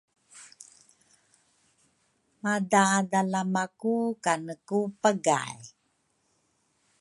Madalama ku kane ku pagay